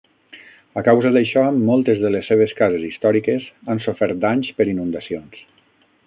A causa d'això, moltes de les seves cases històriques han sofert danys per inundacions.